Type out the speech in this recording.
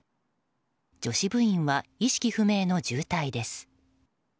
女子部員は意識不明の重体です。